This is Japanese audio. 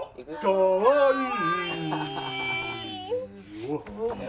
かわいい。